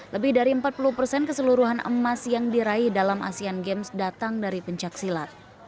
lebih dari empat puluh persen keseluruhan emas yang diraih dalam asean games datang dari pencaksilat